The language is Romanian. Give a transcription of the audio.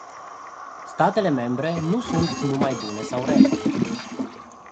Statele membre nu sunt numai bune sau rele.